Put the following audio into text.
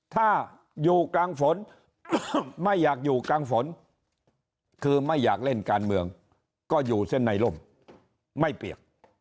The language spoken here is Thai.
ถ้าอยู่กลางฝนไม่อยากอยู่กลางฝนคือไม่อยากเล่นการเมืองก็อยู่เส้นในร่มไม่เปียก